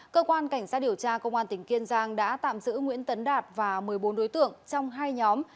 cơ quan cảnh sát điều tra công an tỉnh kiên giang đã tạm giữ nguyễn tấn đạt và một mươi bốn đối tượng trong hai nhóm